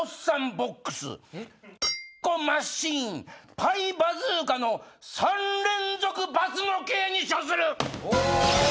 ＢＯＸチ○コマシーンパイバズーカの３連続罰の刑に処する！